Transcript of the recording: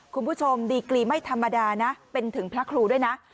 คุณผู้ชมดีกรีไม่ธรรมดานะเป็นถึงพระครูด้วยนะ